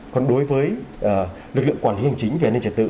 còn đối với lực lượng quản lý hành chính về an ninh trật tự